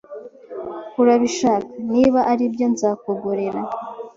Urabishaka? Niba aribyo, nzakugurira